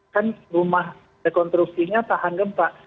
kan rumah rekonstruksinya tahan gempa